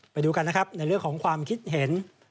ไปดูกันนะครับในเรื่องของความคิดเห็น